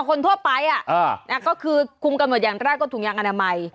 คนทั่วไปก็คือคุมกำหนดอย่างแรกก็ถุงยางอนามัย